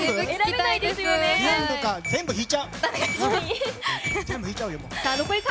全部弾いちゃう！